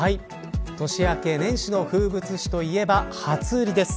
年明け、年始の風物詩といえば初売りです。